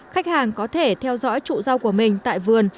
khách hàng có thể theo dõi trụ rau của mình tại vườn